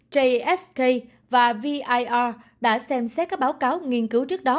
jsk và vior đã xem xét các báo cáo nghiên cứu trước đó